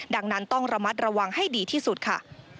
ดังนั้นต้องระมัดระวังให้ดีที่สุดค่ะ